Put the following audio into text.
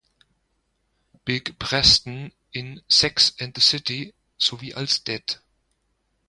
Big" Preston in "Sex and the City" sowie als Det.